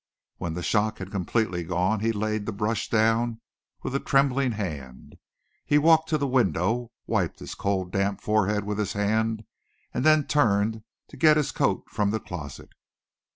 When the shock had completely gone he laid the brush down with a trembling hand. He walked to the window, wiped his cold, damp forehead with his hand and then turned to get his coat from the closet.